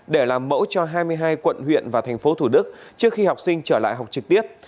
để làm mẫu cho hai mươi hai quận huyện và thành phố thủ đức trước khi học sinh trở lại học trực tiếp